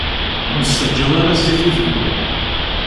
Ur nessaǧaw ara zzit n uzemmur.